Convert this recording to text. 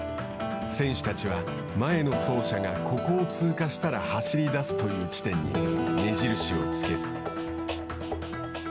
選手たちは前の走者がここを通過したら走り出すという地点に目印をつける。